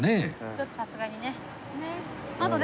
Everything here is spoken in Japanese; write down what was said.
ちょっとさすがにね。